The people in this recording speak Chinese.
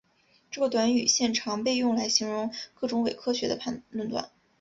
这个短语现常被用来形容各种伪科学的论断。